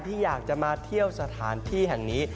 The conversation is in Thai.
ที่อยากจะมาเที่ยวสถานที่แห่งนี้